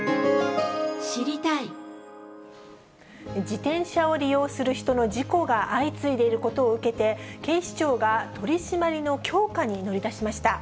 自転車を利用する人の事故が相次いでいることを受けて、警視庁が取締りの強化に乗り出しました。